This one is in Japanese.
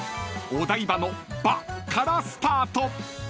［お台場の「ば」からスタート］